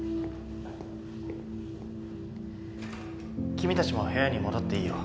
君たちも部屋に戻っていいよ。